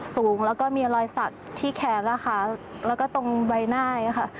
สูงแล้วก็มีรอยสักที่แขนแล้วค่ะแล้วก็ตรงใบหน้าค่ะ